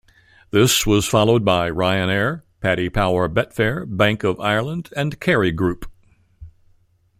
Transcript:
This was followed Ryanair, Paddy Power Betfair, Bank of Ireland and Kerry Group.